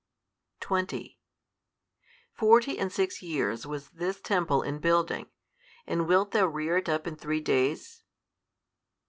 20 Forty and six years was this Temple in building, and wilt Thou rear it up in three days?